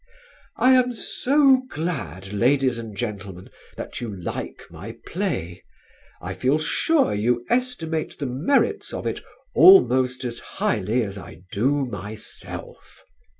"I am so glad, ladies and gentlemen, that you like my play. I feel sure you estimate the merits of it almost as highly as I do myself."